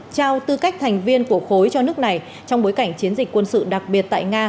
trao tư cách thành viên của khối cho nước này trong bối cảnh chiến dịch quân sự đặc biệt tại nga